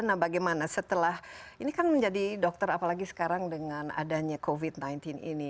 nah bagaimana setelah ini kan menjadi dokter apalagi sekarang dengan adanya covid sembilan belas ini